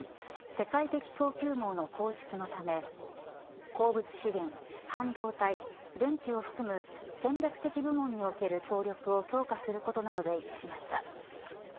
世界的供給網の構築のため鉱物資源、半導体電池を含む戦略的部門における協力を強化することなどで一致しました。